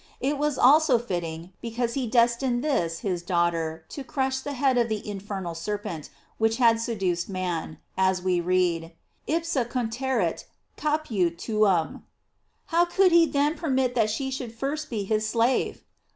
It was also fitting, because he destined this his daughter to crush the head of the infernal serpent which had seduced man, as we read: Ipsa conteret caput tuum. How could he then permit that she should first be his slave?